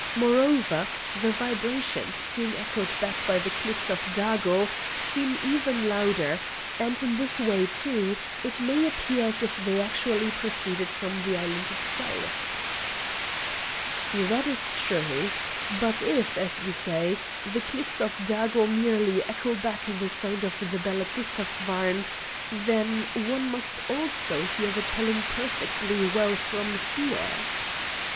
Moreover, the vibrations, being echoed back by the cliffs of Dago, seem even louder, and in this way, too, it may appear as if they actually proceeded from the island itself." "That is true. But if, as you say, the cliffs of Dago merely echo back the sound of the bell at Gustavsvarn, then one must also hear the tolling perfectly well from here."